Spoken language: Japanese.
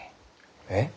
えっ？